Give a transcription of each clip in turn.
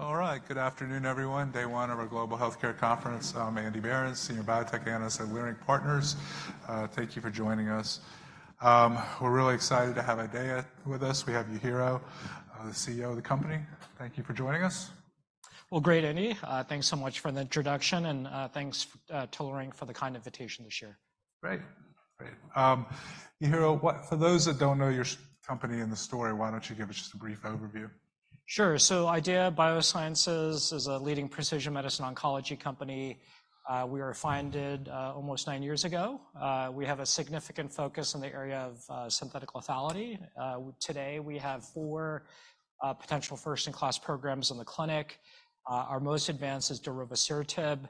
All right, good afternoon, everyone. Day one of our global healthcare conference. I'm Andy Berens, Senior Biotech Analyst at Leerink Partners. Thank you for joining us. We're really excited to have IDEAYA with us. We have Yujiro, the CEO of the company. Thank you for joining us. Well, great, Andy. Thanks so much for the introduction, and thanks to Leerink for the kind invitation to share. Great, great. Yujiro, for those that don't know your company and the story, why don't you give us just a brief overview? Sure. So IDEAYA Biosciences is a leading precision medicine oncology company. We were founded almost nine years ago. We have a significant focus in the area of synthetic lethality. Today we have four potential first-in-class programs in the clinic. Our most advanced is darovasertib.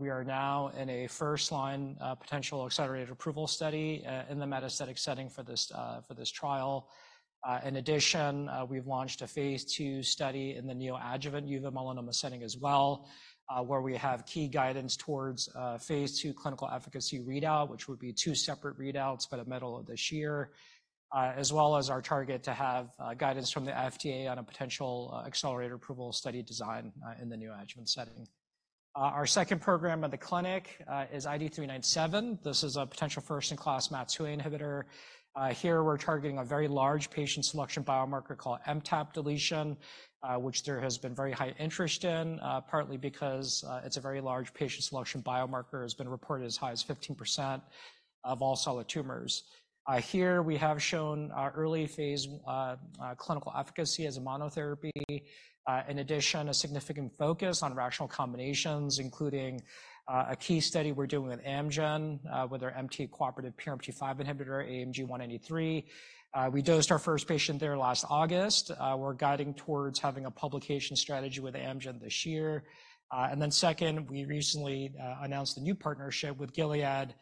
We are now in a first-line potential accelerated approval study in the metastatic setting for this trial. In addition, we've launched a phase II study in the neoadjuvant uveal melanoma setting as well, where we have key guidance towards phase II clinical efficacy readout, which would be two separate readouts by the middle of this year, as well as our target to have guidance from the FDA on a potential accelerated approval study design in the neoadjuvant setting. Our second program in the clinic is IDE397. This is a potential first-in-class MAT2A inhibitor. Here we're targeting a very large patient selection biomarker called MTAP deletion, which there has been very high interest in, partly because it's a very large patient selection biomarker has been reported as high as 15% of all solid tumors. Here we have shown early phase clinical efficacy as a monotherapy. In addition, a significant focus on rational combinations, including a key study we're doing with Amgen with their MTA-cooperative PRMT5 inhibitor, AMG 193. We dosed our first patient there last August. We're guiding towards having a publication strategy with Amgen this year. And then second, we recently announced a new partnership with Gilead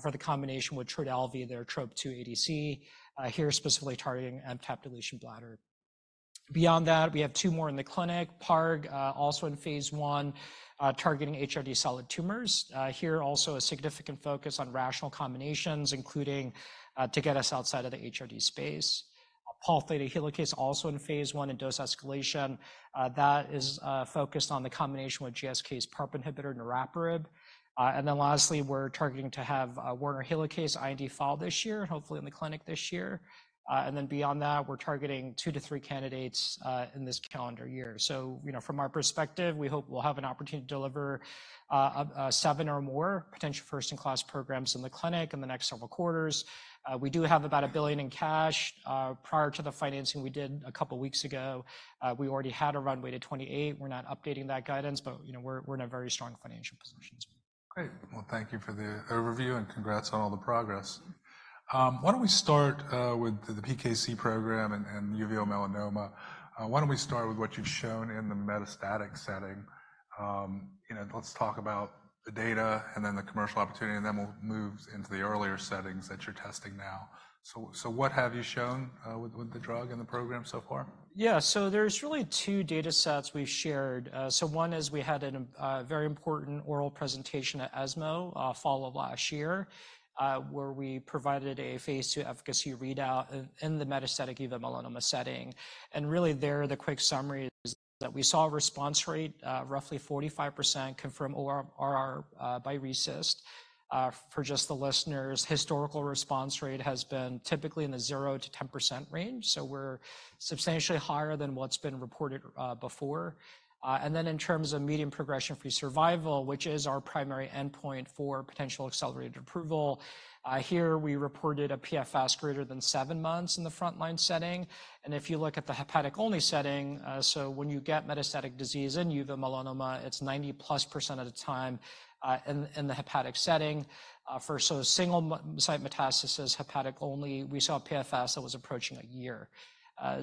for the combination with Trodelvy, their TROP-2 ADC, here specifically targeting MTAP deletion bladder. Beyond that, we have two more in the clinic, PARG, also in phase I, targeting HRD solid tumors. Here also a significant focus on rational combinations, including to get us outside of the HRD space. Pol Theta Helicase also in phase I and dose escalation. That is focused on the combination with GSK's PARP inhibitor, niraparib. And then lastly, we're targeting to have Werner Helicase IND filing this year, hopefully in the clinic this year. And then beyond that, we're targeting two to three candidates in this calendar year. So, you know, from our perspective, we hope we'll have an opportunity to deliver seven or more potential first-in-class programs in the clinic in the next several quarters. We do have about $1 billion in cash. Prior to the financing we did a couple of weeks ago, we already had a runway to 2028. We're not updating that guidance, but, you know, we're in a very strong financial position. Great. Well, thank you for the overview and congrats on all the progress. Why don't we start with the PKC program and uveal melanoma? Why don't we start with what you've shown in the metastatic setting? You know, let's talk about the data and then the commercial opportunity, and then we'll move into the earlier settings that you're testing now. So what have you shown with the drug and the program so far? Yeah, so there's really two data sets we've shared. So one is we had a very important oral presentation at ESMO fall of last year where we provided a phase II efficacy readout in the metastatic uveal melanoma setting. And really there the quick summary is that we saw a response rate roughly 45% confirmed ORR by RECIST. For just the listeners, historical response rate has been typically in the 0%-10% range. So we're substantially higher than what's been reported before. And then in terms of median progression-free survival, which is our primary endpoint for potential accelerated approval, here we reported a PFS greater than seven months in the frontline setting. And if you look at the hepatic-only setting, so when you get metastatic disease in uveal melanoma, it's 90%+ of the time in the hepatic setting. For single site metastasis, hepatic-only, we saw a PFS that was approaching a year.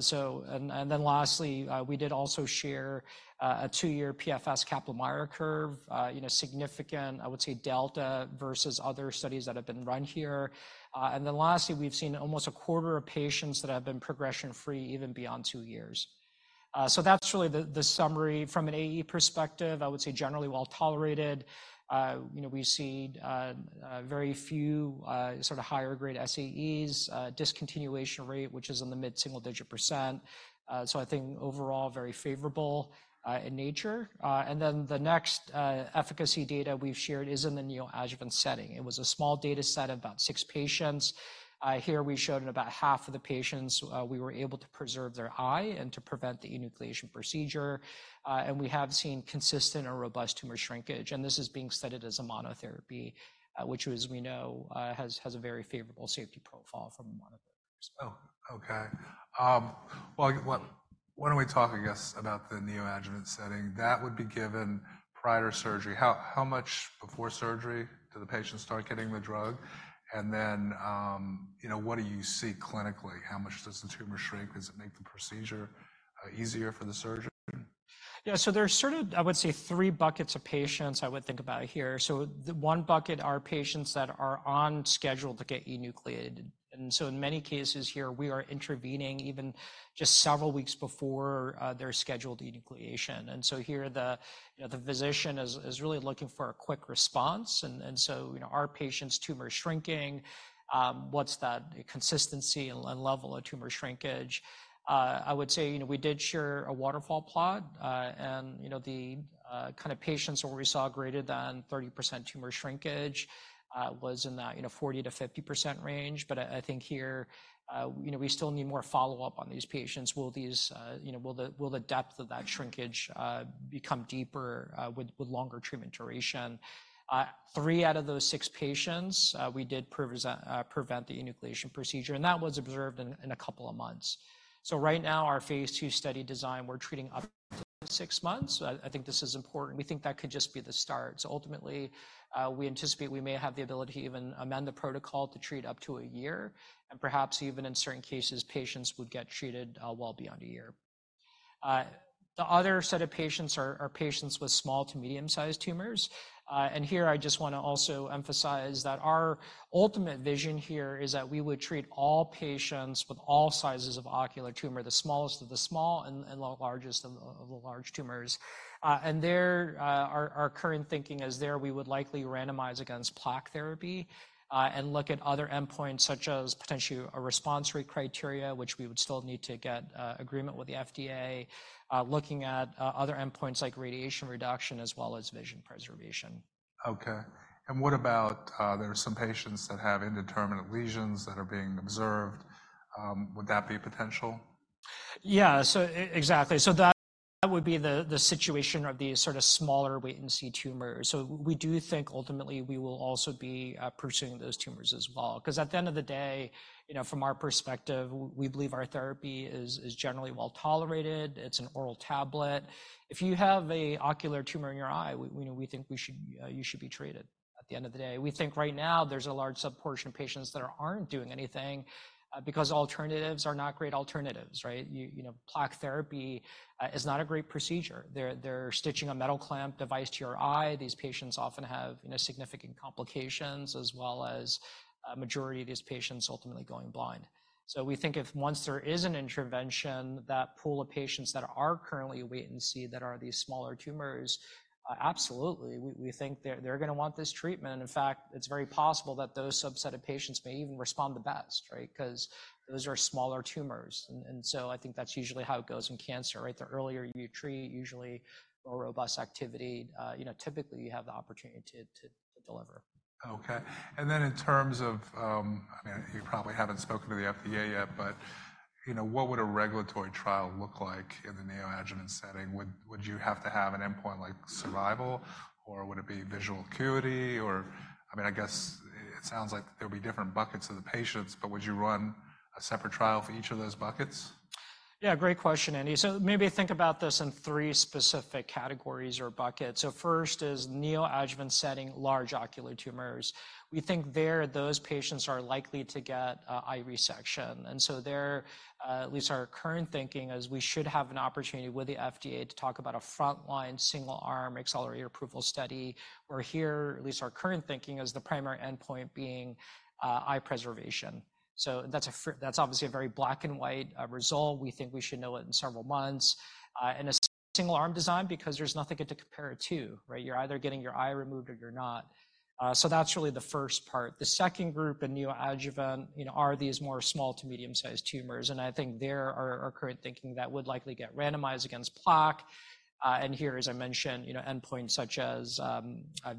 So, and then lastly, we did also share a two-year PFS Kaplan-Meier curve, you know, significant, I would say, delta versus other studies that have been run here. And then lastly, we've seen almost a quarter of patients that have been progression-free even beyond two years. So that's really the summary. From an AE perspective, I would say generally well tolerated. You know, we see very few sort of higher-grade SAEs, discontinuation rate, which is in the mid-single digit percent. So I think overall very favorable in nature. And then the next efficacy data we've shared is in the neoadjuvant setting. It was a small data set of about six patients. Here we showed in about half of the patients we were able to preserve their eye and to prevent the enucleation procedure. We have seen consistent and robust tumor shrinkage. This is being studied as a monotherapy, which, we know, has a very favorable safety profile from monotherapies. Oh, okay. Well, why don't we talk, I guess, about the neoadjuvant setting? That would be given prior to surgery. How much before surgery do the patients start getting the drug? And then, you know, what do you see clinically? How much does the tumor shrink? Does it make the procedure easier for the surgeon? Yeah, so there's sort of, I would say, three buckets of patients I would think about here. So one bucket are patients that are on schedule to get enucleated. And so in many cases here we are intervening even just several weeks before their scheduled enucleation. And so here the, you know, the physician is really looking for a quick response. And so, you know, our patient's tumor shrinking, what's that consistency and level of tumor shrinkage? I would say, you know, we did share a waterfall plot. And, you know, the kind of patients where we saw greater than 30% tumor shrinkage was in that, you know, 40%-50% range. But I think here, you know, we still need more follow-up on these patients. Will these, you know, will the depth of that shrinkage become deeper with longer treatment duration? Three out of those six patients we did prevent the enucleation procedure. And that was observed in a couple of months. So right now our phase II study design, we're treating up to six months. I think this is important. We think that could just be the start. So ultimately we anticipate we may have the ability to even amend the protocol to treat up to a year. And perhaps even in certain cases patients would get treated well beyond a year. The other set of patients are patients with small to medium-sized tumors. And here I just want to also emphasize that our ultimate vision here is that we would treat all patients with all sizes of ocular tumor, the smallest of the small and the largest of the large tumors. Our current thinking is that we would likely randomize against plaque therapy and look at other endpoints such as potentially a response rate criteria, which we would still need to get agreement with the FDA, looking at other endpoints like radiation reduction as well as vision preservation. Okay. And what about there are some patients that have indeterminate lesions that are being observed? Would that be a potential? Yeah, so exactly. That would be the situation of these sort of smaller wait-and-see tumors. So we do think ultimately we will also be pursuing those tumors as well. Because at the end of the day, you know, from our perspective, we believe our therapy is generally well tolerated. It's an oral tablet. If you have an ocular tumor in your eye, you know, we think you should be treated at the end of the day. We think right now there's a large subportion of patients that aren't doing anything because alternatives are not great alternatives, right? You know, plaque therapy is not a great procedure. They're stitching a metal clamp device to your eye. These patients often have, you know, significant complications as well as a majority of these patients ultimately going blind. So we think if once there is an intervention that pool of patients that are currently a wait-and-see that are these smaller tumors, absolutely, we think they're going to want this treatment. In fact, it's very possible that those subset of patients may even respond the best, right? Because those are smaller tumors. And so I think that's usually how it goes in cancer, right? The earlier you treat, usually more robust activity, you know, typically you have the opportunity to deliver. Okay. And then in terms of, I mean, you probably haven't spoken to the FDA yet, but, you know, what would a regulatory trial look like in the neoadjuvant setting? Would you have to have an endpoint like survival or would it be visual acuity or, I mean, I guess it sounds like there'll be different buckets of the patients, but would you run a separate trial for each of those buckets? Yeah, great question, Andy. So maybe think about this in three specific categories or buckets. So first is neoadjuvant setting, large ocular tumors. We think there those patients are likely to get eye resection. And so there, at least our current thinking is we should have an opportunity with the FDA to talk about a frontline single arm accelerated approval study. Where here, at least our current thinking is the primary endpoint being eye preservation. So that's obviously a very black and white result. We think we should know it in several months. And a single arm design because there's nothing to compare it to, right? You're either getting your eye removed or you're not. So that's really the first part. The second group in neoadjuvant, you know, are these more small to medium-sized tumors. And I think there our current thinking that would likely get randomized against plaque. Here, as I mentioned, you know, endpoints such as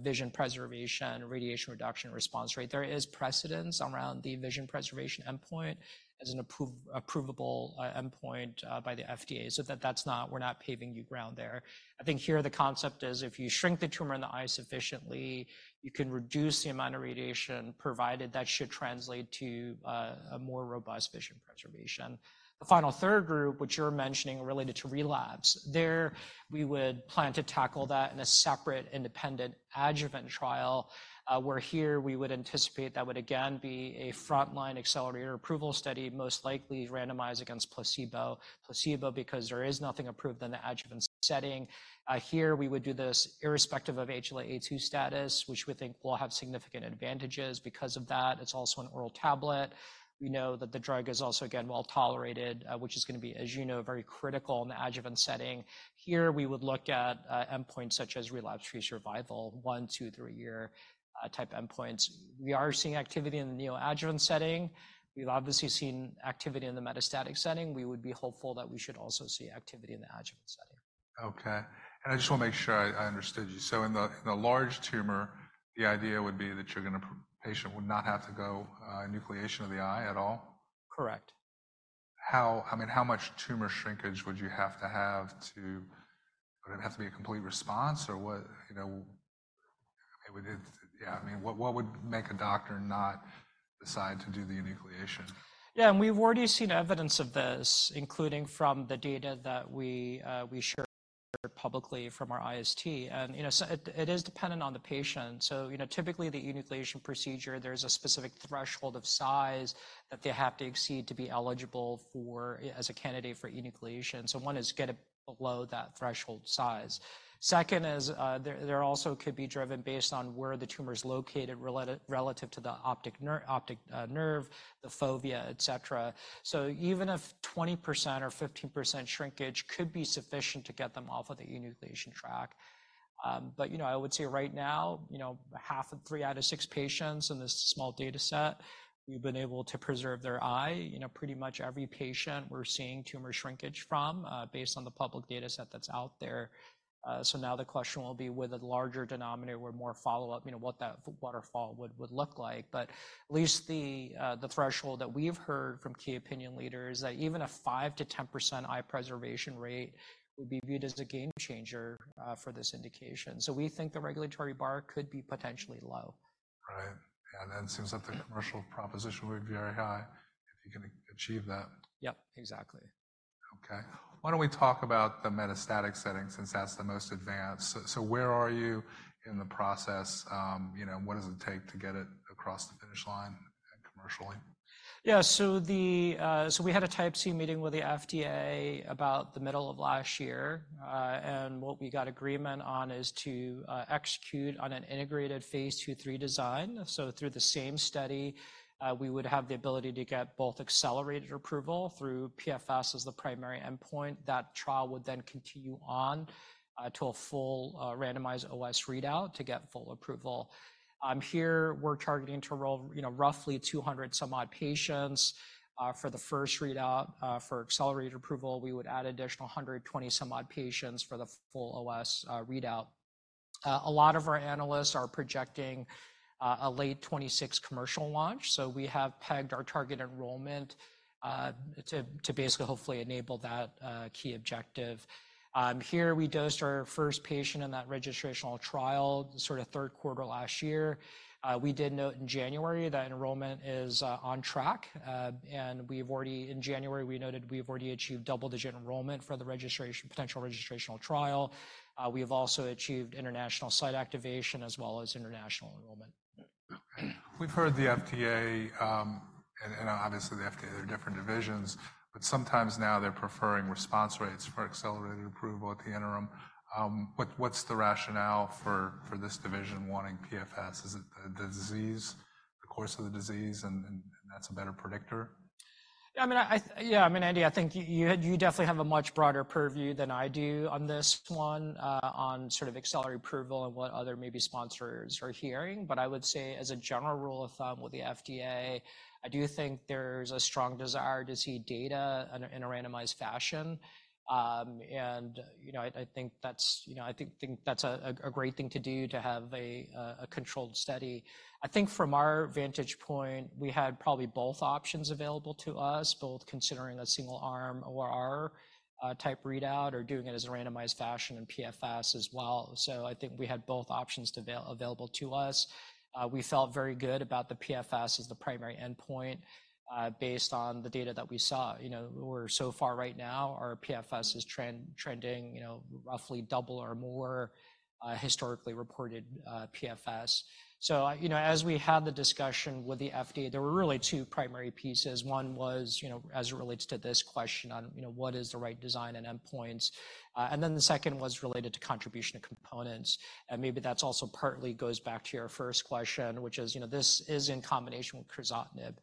vision preservation, radiation reduction, response rate. There is precedent around the vision preservation endpoint as an approvable endpoint by the FDA. So that's not, we're not paving new ground there. I think here the concept is if you shrink the tumor in the eye sufficiently, you can reduce the amount of radiation provided, that should translate to a more robust vision preservation. The final third group, which you're mentioning related to relapse, there we would plan to tackle that in a separate independent adjuvant trial. Here we would anticipate that would again be a frontline accelerated approval study, most likely randomized against placebo. Placebo because there is nothing approved in the adjuvant setting. Here we would do this irrespective of HLA-A2 status, which we think will have significant advantages because of that. It's also an oral tablet. We know that the drug is also, again, well tolerated, which is going to be, as you know, very critical in the adjuvant setting. Here we would look at endpoints such as relapse-free survival, one, two, three-year type endpoints. We are seeing activity in the neoadjuvant setting. We've obviously seen activity in the metastatic setting. We would be hopeful that we should also see activity in the adjuvant setting. Okay. And I just want to make sure I understood you. So in the large tumor, the idea would be that you're going to, patient would not have to go enucleation of the eye at all? Correct. How, I mean, how much tumor shrinkage would you have to have to, would it have to be a complete response or what, you know, I mean, yeah, I mean, what would make a doctor not decide to do the enucleation? Yeah, and we've already seen evidence of this, including from the data that we share publicly from our IST. And, you know, it is dependent on the patient. So, you know, typically the enucleation procedure, there's a specific threshold of size that they have to exceed to be eligible for, as a candidate for enucleation. So one is get below that threshold size. Second is there also could be driven based on where the tumor's located relative to the optic nerve, the fovea, et cetera. So even if 20% or 15% shrinkage could be sufficient to get them off of the enucleation track. But, you know, I would say right now, you know, half of three out of six patients in this small data set, we've been able to preserve their eye. You know, pretty much every patient we're seeing tumor shrinkage from based on the public data set that's out there. So now the question will be with a larger denominator, we're more follow-up, you know, what that waterfall would look like. But at least the threshold that we've heard from key opinion leaders is that even a 5%-10% eye preservation rate would be viewed as a game changer for this indication. So we think the regulatory bar could be potentially low. Right. And then it seems like the commercial proposition would be very high if you can achieve that. Yep, exactly. Okay. Why don't we talk about the metastatic setting since that's the most advanced? So where are you in the process? You know, what does it take to get it across the finish line commercially? Yeah, so we had a Type C meeting with the FDA about the middle of last year. What we got agreement on is to execute on an integrated phase II, phase III design. So through the same study, we would have the ability to get both accelerated approval through PFS as the primary endpoint. That trial would then continue on to a full randomized OS readout to get full approval. Here we're targeting to enroll, you know, roughly 200-some-odd patients for the first readout for accelerated approval. We would add additional 120-some-odd patients for the full OS readout. A lot of our analysts are projecting a late 2026 commercial launch. So we have pegged our target enrollment to basically hopefully enable that key objective. Here we dosed our first patient in that registrational trial, sort of third quarter last year. We did note in January that enrollment is on track. We've already, in January, we noted we've already achieved double-digit enrollment for the registration, potential registrational trial. We have also achieved international site activation as well as international enrollment. We've heard the FDA, and obviously the FDA, there are different divisions, but sometimes now they're preferring response rates for accelerated approval at the interim. What's the rationale for this division wanting PFS? Is it the disease, the course of the disease, and that's a better predictor? Yeah, I mean, yeah, I mean, Andy, I think you definitely have a much broader purview than I do on this one, on sort of accelerated approval and what other maybe sponsors are hearing. But I would say as a general rule of thumb with the FDA, I do think there's a strong desire to see data in a randomized fashion. And, you know, I think that's, you know, I think that's a great thing to do to have a controlled study. I think from our vantage point, we had probably both options available to us, both considering a single arm ORR type readout or doing it as a randomized fashion and PFS as well. So I think we had both options available to us. We felt very good about the PFS as the primary endpoint based on the data that we saw. You know, we're so far right now, our PFS is trending, you know, roughly double or more historically reported PFS. So, you know, as we had the discussion with the FDA, there were really two primary pieces. One was, you know, as it relates to this question on, you know, what is the right design and endpoints. And then the second was related to contribution of components. And maybe that's also partly goes back to your first question, which is, you know, this is in combination with crizotinib.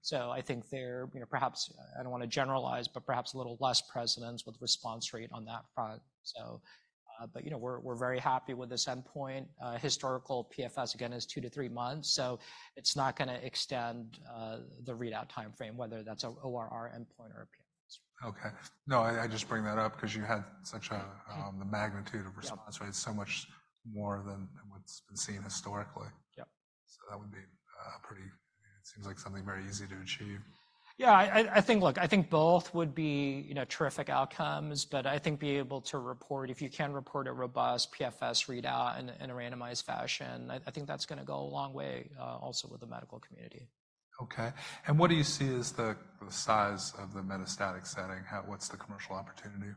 So I think there, you know, perhaps, I don't want to generalize, but perhaps a little less precedence with response rate on that front. So, but, you know, we're very happy with this endpoint. Historical PFS, again, is two to three months. So it's not going to extend the readout timeframe, whether that's an ORR endpoint or a PFS. Okay. No, I just bring that up because you had such a, the magnitude of response rate, so much more than what's been seen historically. Yep. So that would be a pretty, it seems like something very easy to achieve. Yeah, I think, look, I think both would be, you know, terrific outcomes, but I think being able to report, if you can report a robust PFS readout in a randomized fashion, I think that's going to go a long way also with the medical community. Okay. And what do you see as the size of the metastatic setting? What's the commercial opportunity?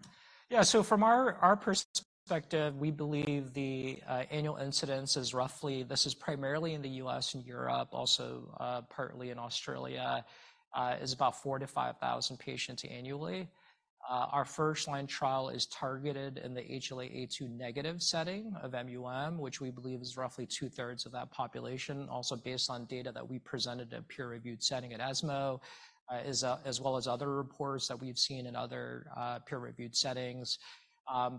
Yeah, so from our perspective, we believe the annual incidence is roughly, this is primarily in the U.S. and Europe, also partly in Australia, is about 4,000-5,000 patients annually. Our first line trial is targeted in the HLA-A2 negative setting of MUM, which we believe is roughly two-thirds of that population. Also based on data that we presented in a peer-reviewed setting at ESMO, as well as other reports that we've seen in other peer-reviewed settings.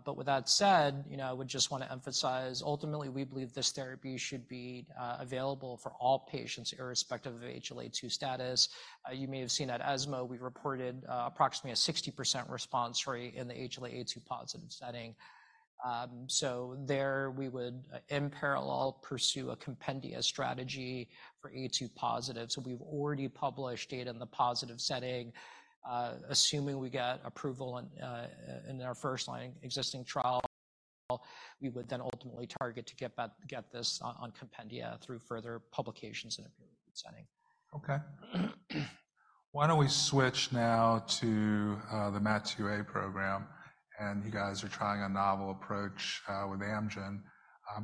But with that said, you know, I would just want to emphasize, ultimately we believe this therapy should be available for all patients irrespective of HLA-A2 status. You may have seen at ESMO, we reported approximately a 60% response rate in the HLA-A2 positive setting. So there we would in parallel pursue a compendia strategy for A2 positive. So we've already published data in the positive setting. Assuming we get approval in our first line existing trial, we would then ultimately target to get this on compendia through further publications in a peer-reviewed setting. Okay. Why don't we switch now to the MAT2A program? And you guys are trying a novel approach with Amgen.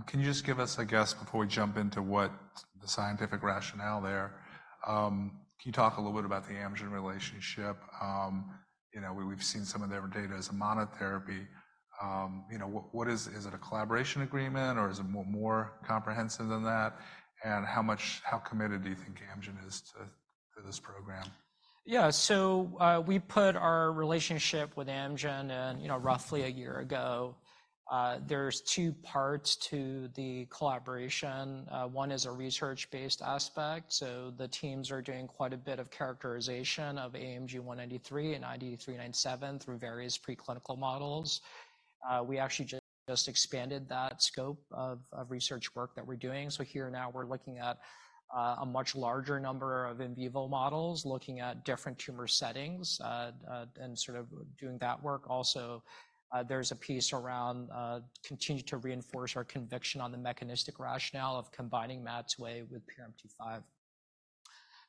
Can you just give us a guess before we jump into what the scientific rationale there? Can you talk a little bit about the Amgen relationship? You know, we've seen some of their data as a monotherapy. You know, what is, is it a collaboration agreement or is it more comprehensive than that? And how much, how committed do you think Amgen is to this program? Yeah, so we put our relationship with Amgen and, you know, roughly a year ago, there's two parts to the collaboration. One is a research-based aspect. So the teams are doing quite a bit of characterization of AMG 193 and IDE397 through various preclinical models. We actually just expanded that scope of research work that we're doing. So here now we're looking at a much larger number of in vivo models, looking at different tumor settings and sort of doing that work. Also there's a piece around continuing to reinforce our conviction on the mechanistic rationale of combining MAT2A with PRMT5.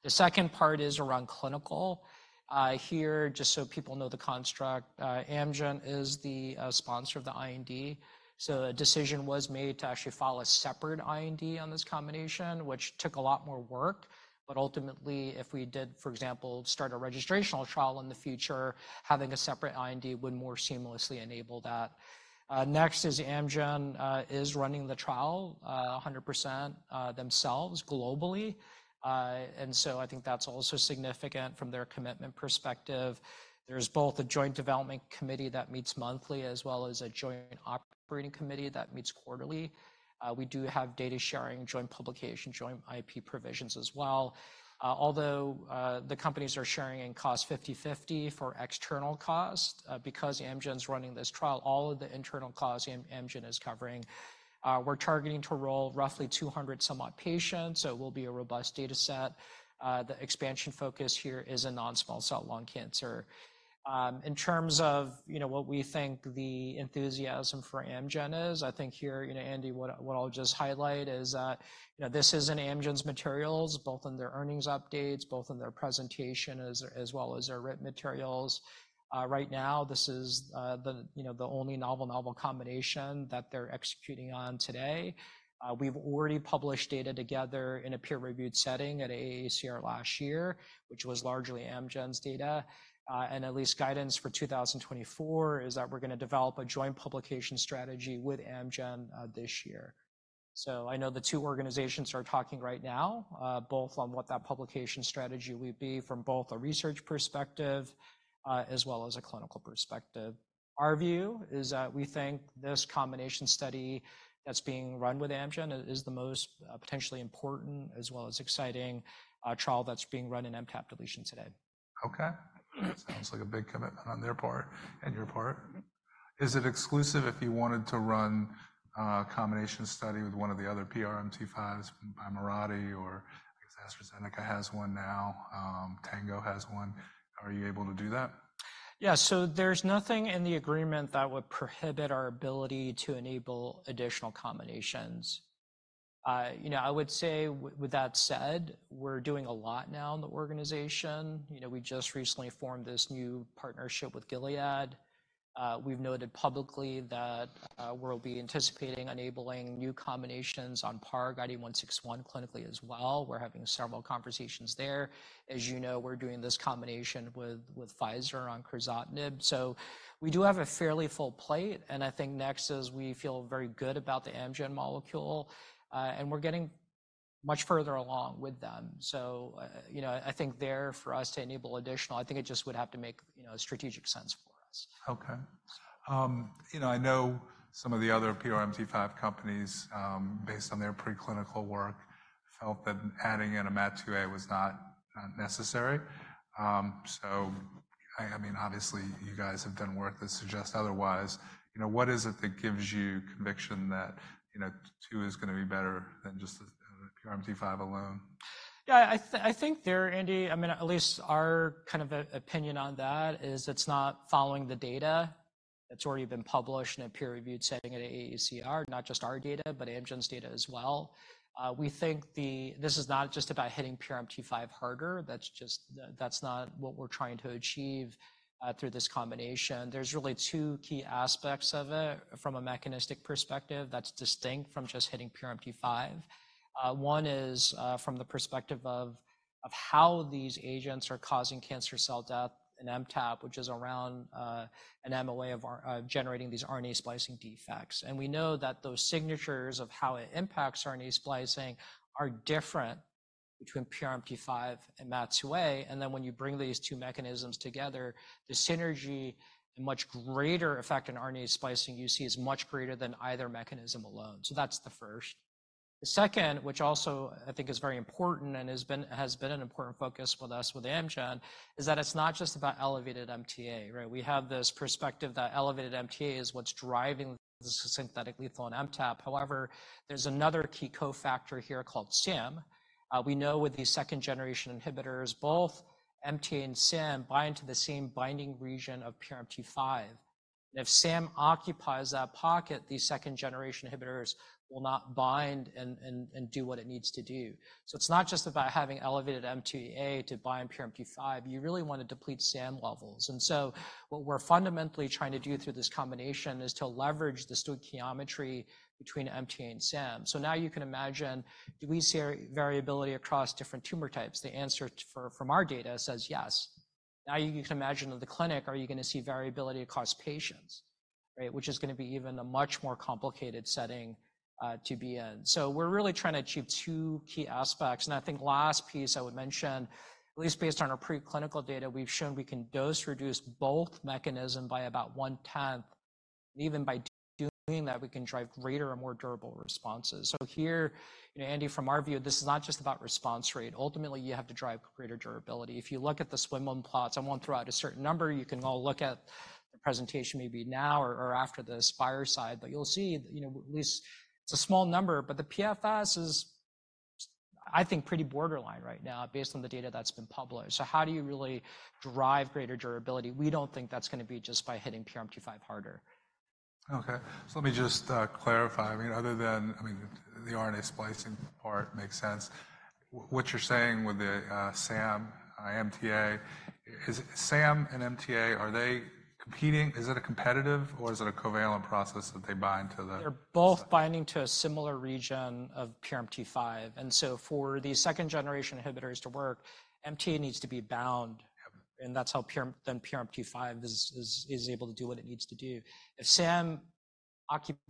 The second part is around clinical. Here, just so people know the construct, Amgen is the sponsor of the IND. So a decision was made to actually follow a separate IND on this combination, which took a lot more work. But ultimately, if we did, for example, start a registrational trial in the future, having a separate IND would more seamlessly enable that. Next is Amgen is running the trial 100% themselves globally. And so I think that's also significant from their commitment perspective. There's both a joint development committee that meets monthly as well as a joint operating committee that meets quarterly. We do have data sharing, joint publication, joint IP provisions as well. Although the companies are sharing in cost 50/50 for external cost, because Amgen's running this trial, all of the internal costs Amgen is covering, we're targeting to roll roughly 200-some-odd patients. So it will be a robust data set. The expansion focus here is in non-small cell lung cancer. In terms of, you know, what we think the enthusiasm for Amgen is, I think here, you know, Andy, what I'll just highlight is that, you know, this is in Amgen's materials, both in their earnings updates, both in their presentation, as well as their written materials. Right now, this is the, you know, the only novel, novel combination that they're executing on today. We've already published data together in a peer-reviewed setting at AACR last year, which was largely Amgen's data. And at least guidance for 2024 is that we're going to develop a joint publication strategy with Amgen this year. So I know the two organizations are talking right now, both on what that publication strategy would be from both a research perspective as well as a clinical perspective. Our view is that we think this combination study that's being run with Amgen is the most potentially important as well as exciting trial that's being run in MTAP deletion today. Okay. Sounds like a big commitment on their part and your part. Is it exclusive if you wanted to run a combination study with one of the other PRMT5s by Mirati or AstraZeneca has one now, Tango has one? Are you able to do that? Yeah, so there's nothing in the agreement that would prohibit our ability to enable additional combinations. You know, I would say with that said, we're doing a lot now in the organization. You know, we just recently formed this new partnership with Gilead. We've noted publicly that we'll be anticipating enabling new combinations on PARG IDE161 clinically as well. We're having several conversations there. As you know, we're doing this combination with Pfizer on crizotinib. So we do have a fairly full plate. And I think next is we feel very good about the Amgen molecule. And we're getting much further along with them. So, you know, I think there for us to enable additional, I think it just would have to make, you know, strategic sense for us. Okay. You know, I know some of the other PRMT5 companies, based on their preclinical work, felt that adding in a MAT2A was not necessary. So, I mean, obviously you guys have done work that suggests otherwise. You know, what is it that gives you conviction that, you know, two is going to be better than just the PRMT5 alone? Yeah, I think there, Andy, I mean, at least our kind of opinion on that is it's not following the data that's already been published in a peer-reviewed setting at AACR, not just our data, but Amgen's data as well. We think the, this is not just about hitting PRMT5 harder. That's just, that's not what we're trying to achieve through this combination. There's really two key aspects of it from a mechanistic perspective that's distinct from just hitting PRMT5. One is from the perspective of how these agents are causing cancer cell death in MTAP, which is around an MOA of generating these RNA splicing defects. And we know that those signatures of how it impacts RNA splicing are different between PRMT5 and MAT2A. And then when you bring these two mechanisms together, the synergy and much greater effect in RNA splicing you see is much greater than either mechanism alone. So that's the first. The second, which also I think is very important and has been an important focus with us with Amgen, is that it's not just about elevated MTA, right? We have this perspective that elevated MTA is what's driving the synthetic lethal in MTAP. However, there's another key cofactor here called SAM. We know with these second generation inhibitors, both MTA and SAM bind to the same binding region of PRMT5. And if SAM occupies that pocket, these second generation inhibitors will not bind and do what it needs to do. So it's not just about having elevated MTA to bind PRMT5. You really want to deplete SAM levels. And so what we're fundamentally trying to do through this combination is to leverage the stoichiometry between MTA and SAM. So now you can imagine, do we see variability across different tumor types? The answer from our data says yes. Now you can imagine in the clinic, are you going to see variability across patients, right? Which is going to be even a much more complicated setting to be in. So we're really trying to achieve two key aspects. And I think last piece I would mention, at least based on our preclinical data, we've shown we can dose reduce both mechanisms by about one-tenth. And even by doing that, we can drive greater and more durable responses. So here, you know, Andy, from our view, this is not just about response rate. Ultimately, you have to drive greater durability. If you look at the swimlane plots, I won't throw out a certain number. You can all look at the presentation maybe now or after this fireside, but you'll see, you know, at least it's a small number, but the PFS is, I think, pretty borderline right now based on the data that's been published. So how do you really drive greater durability? We don't think that's going to be just by hitting PRMT5 harder. Okay. So let me just clarify. I mean, other than, I mean, the RNA splicing part makes sense. What you're saying with the SAM, MTA, is SAM and MTA, are they competing? Is it a competitive or is it a covalent process that they bind to the? They're both binding to a similar region of PRMT5. And so for these second generation inhibitors to work, MTA needs to be bound. And that's how then PRMT5 is able to do what it needs to do. If SAM occupies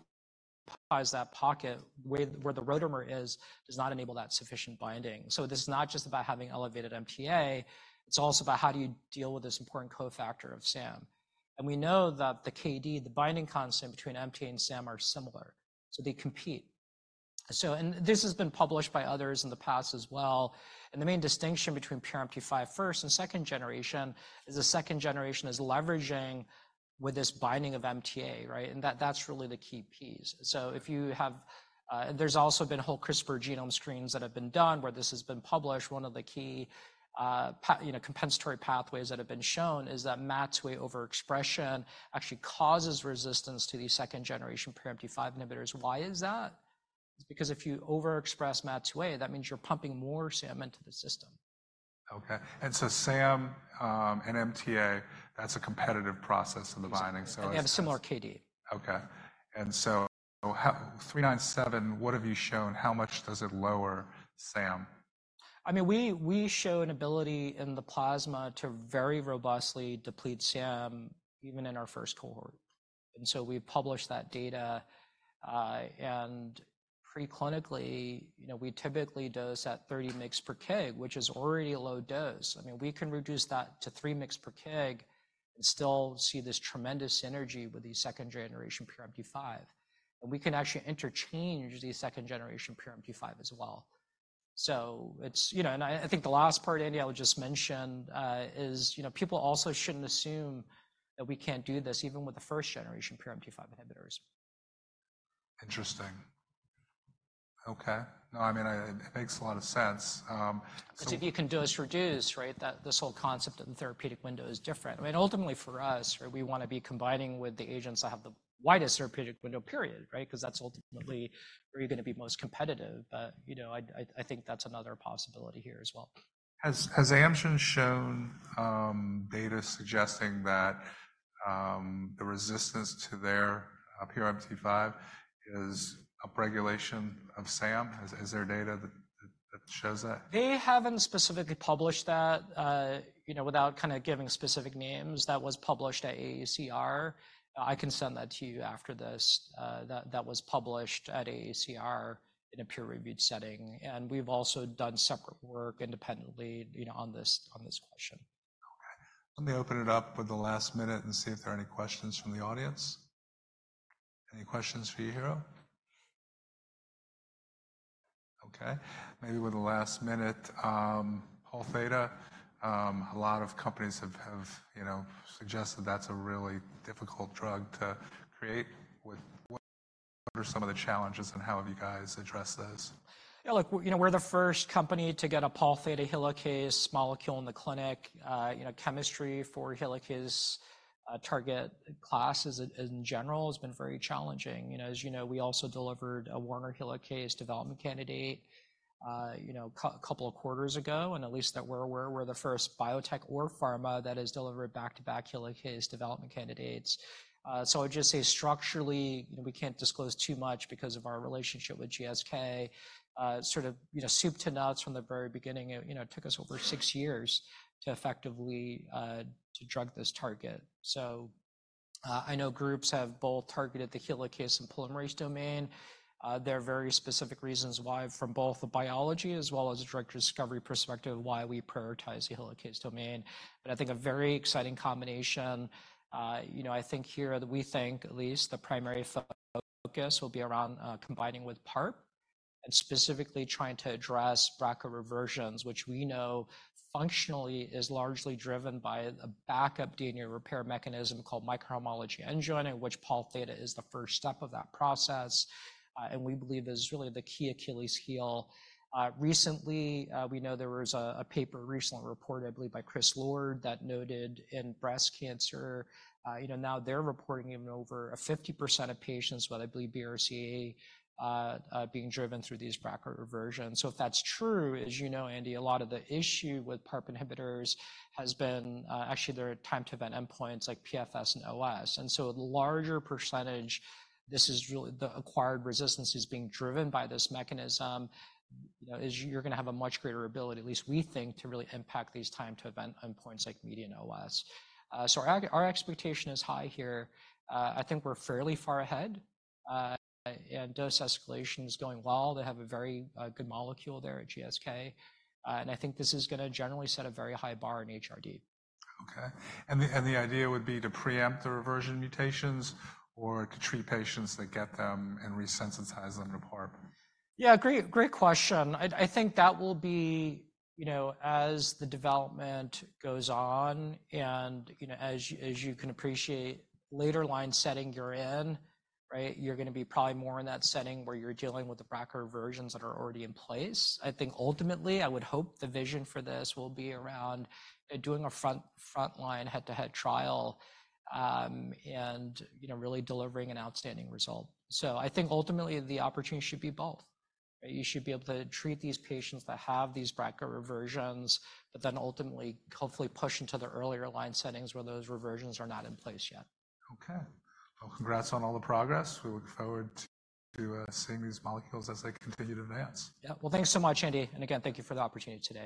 that pocket, where the rotamer is, does not enable that sufficient binding. So this is not just about having elevated MTA. It's also about how do you deal with this important cofactor of SAM. And we know that the KD, the binding constant between MTA and SAM are similar. So they compete. So, and this has been published by others in the past as well. And the main distinction between PRMT5 first and second generation is the second generation is leveraging with this binding of MTA, right? And that's really the key piece. So if you have, there's also been whole CRISPR genome screens that have been done where this has been published. One of the key, you know, compensatory pathways that have been shown is that MAT2A overexpression actually causes resistance to these second generation PRMT5 inhibitors. Why is that? It's because if you overexpress MAT2A, that means you're pumping more SAM into the system. Okay. And so SAM and MTA, that's a competitive process in the binding. They have a similar KD. Okay. And so 397, what have you shown? How much does it lower SAM? I mean, we show an ability in the plasma to very robustly deplete SDMA even in our first cohort. So we published that data. Preclinically, you know, we typically dose at 30 mg/kg, which is already a low dose. I mean, we can reduce that to 3 mg/kg and still see this tremendous synergy with these second generation PRMT5. And we can actually interchange these second generation PRMT5 as well. So it's, you know, and I think the last part, Andy, I would just mention is, you know, people also shouldn't assume that we can't do this even with the first generation PRMT5 inhibitors. Interesting. Okay. No, I mean, it makes a lot of sense. Because if you can dose reduce, right, this whole concept of the therapeutic window is different. I mean, ultimately for us, right, we want to be combining with the agents that have the widest therapeutic window, period, right? Because that's ultimately where you're going to be most competitive. But, you know, I think that's another possibility here as well. Has Amgen shown data suggesting that the resistance to their PRMT5 is upregulation of SAM? Is there data that shows that? They haven't specifically published that, you know, without kind of giving specific names. That was published at AACR. I can send that to you after this. That was published at AACR in a peer-reviewed setting. We've also done separate work independently, you know, on this question. Okay. Let me open it up with the last minute and see if there are any questions from the audience. Any questions for Yujiro? Okay. Maybe with the last minute, Pol Theta, a lot of companies have, you know, suggested that's a really difficult drug to create. What are some of the challenges and how have you guys addressed those? Yeah, look, you know, we're the first company to get a Pol Theta Helicase molecule in the clinic. You know, chemistry for Helicase target classes in general has been very challenging. You know, as you know, we also delivered a Werner Helicase development candidate, you know, a couple of quarters ago. At least that we're aware, we're the first biotech or pharma that has delivered back-to-back Helicase development candidates. So I would just say structurally, you know, we can't disclose too much because of our relationship with GSK. Sort of, you know, soup to nuts from the very beginning, you know, it took us over six years to effectively drug this target. So I know groups have both targeted the Helicase and polymerase domain. There are very specific reasons why from both the biology as well as a drug discovery perspective why we prioritize the Helicase domain. But I think a very exciting combination, you know, I think here that we think at least the primary focus will be around combining with PARP and specifically trying to address BRCA reversions, which we know functionally is largely driven by a backup DNA repair mechanism called microhomology-mediated end joining, which Pol Theta is the first step of that process. And we believe this is really the key Achilles heel. Recently, we know there was a paper, recently reported, I believe, by Chris Lord that noted in breast cancer, you know, now they're reporting even over 50% of patients with, I believe, BRCA being driven through these BRCA reversions. So if that's true, as you know, Andy, a lot of the issue with PARP inhibitors has been actually their time-to-event endpoints like PFS and OS. And so a larger percentage, this is really the acquired resistance is being driven by this mechanism, you know, is you're going to have a much greater ability, at least we think, to really impact these time-to-event endpoints like median OS. So our expectation is high here. I think we're fairly far ahead. And dose escalation is going well. They have a very good molecule there at GSK. And I think this is going to generally set a very high bar in HRD. Okay. And the idea would be to preempt the reversion mutations or to treat patients that get them and resensitize them to PARP? Yeah, great question. I think that will be, you know, as the development goes on and, you know, as you can appreciate, later line setting you're in, right? You're going to be probably more in that setting where you're dealing with the BRCA reversions that are already in place. I think ultimately I would hope the vision for this will be around doing a frontline head-to-head trial and, you know, really delivering an outstanding result. So I think ultimately the opportunity should be both, right? You should be able to treat these patients that have these BRCA reversions, but then ultimately hopefully push into the earlier line settings where those reversions are not in place yet. Okay. Well, congrats on all the progress. We look forward to seeing these molecules as they continue to advance. Yeah. Well, thanks so much, Andy. Again, thank you for the opportunity today.